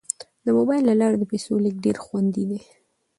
د موبایل له لارې د پيسو لیږل ډیر خوندي دي.